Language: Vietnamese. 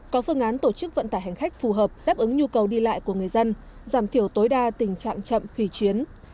có phương án tổ chức vận tải hành khách phù hợp đáp ứng nhu cầu đi lại của người dân giảm thiểu tối đa tình trạng chậm hủy chuyến